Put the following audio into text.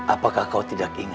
apakah kau tidak ingat